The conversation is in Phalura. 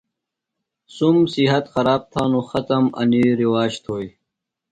سُم صحت خراب تھانوۡ، ختم انیۡ رِواج تھوئیۡ